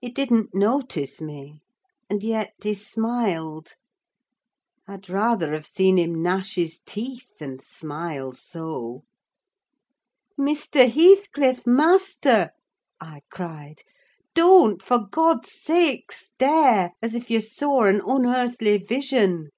He didn't notice me, and yet he smiled. I'd rather have seen him gnash his teeth than smile so. "Mr. Heathcliff! master!" I cried, "don't, for God's sake, stare as if you saw an unearthly vision."